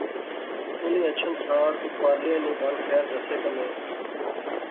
انی اچھن سار پارلیاں نی بل خیر دسے کنے